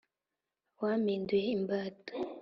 wampinduye imbata